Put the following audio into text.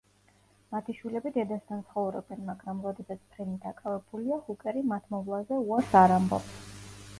მათი შვილები დედასთან ცხოვრობენ, მაგრამ როდესაც ფრენი დაკავებულია, ჰუკერი მათ მოვლაზე უარს არ ამბობს.